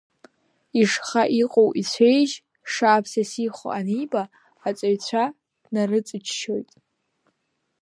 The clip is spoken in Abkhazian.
Ишха иҟоу ицәеижь шааԥсасихо аниба, аҵаҩцәа днарыцыччоит.